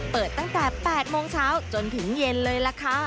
เปิดตั้งแต่๘โมงเช้าจนถึงเย็นเลยล่ะค่ะ